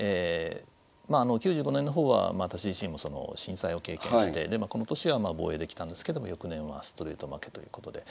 まあ９５年の方は私自身も震災を経験してこの年はまあ防衛できたんですけども翌年はストレート負けということで。